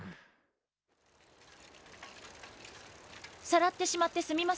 さらってしまってすみません。